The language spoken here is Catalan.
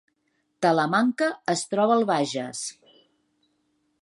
Talamanca es troba al Bages